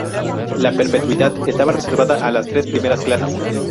La perpetuidad estaba reservada a las tres primeras clases.